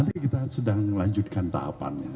nanti kita sedang melanjutkan tahapannya